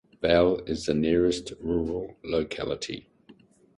Val is the nearest rural locality.